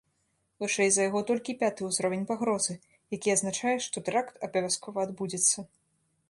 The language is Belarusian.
Вышэй за яго толькі пяты ўзровень пагрозы, які азначае, што тэракт абавязкова адбудзецца.